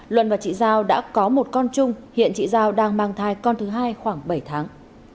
luận và chị giao đã có một con chung hiện chị giao đang mang thai con thứ hai khoảng bảy tháng